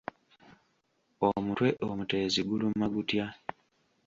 Omutwe omuteezi guluma gutya?